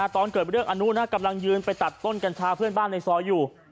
ตอนเกิดเรื่องอนุนะกำลังยืนไปตัดต้นกัญชาเพื่อนบ้านในซอยอยู่